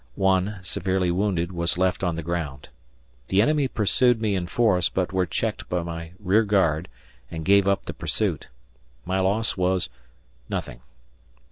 One, severely wounded, was left on the ground. The enemy pursued me in force, but were checked by my rear guard and gave up the pursuit. My loss was nothing.